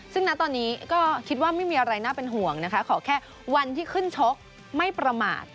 ซึ่งณตอนนี้ก็คิดว่าไม่มีอะไรน่าเป็นห่วงนะคะขอแค่วันที่ขึ้นชกไม่ประมาท